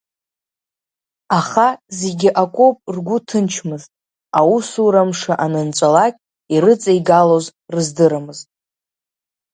Аха зегьы акоуп ргәы ҭынчымызт, аусура мшы анынҵәалак ирыҵеигалоз рыздырамызт.